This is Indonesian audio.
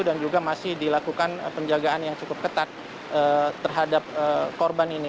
dan juga masih dilakukan penjagaan yang cukup ketat terhadap korban ini